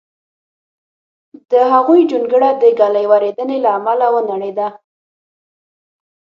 د هغوی جونګړه د ږلۍ وریدېنې له امله ونړېده